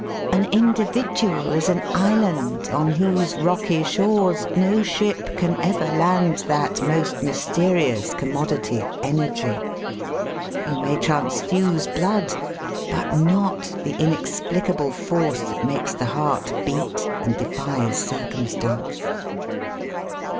An individual is an island on whose rocky shores no ship can ever land that most mysterious commodity — energy. You may transfuse blood, but not the inexplicable force that makes the heart beat and defies cir cumstance.